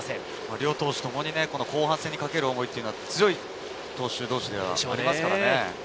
両投手とも後半戦にかける思いは強い投手同士ですからね。